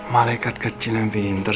malaikat kecil yang pinter